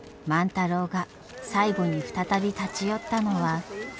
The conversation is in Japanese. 太郎が最後に再び立ち寄ったのは。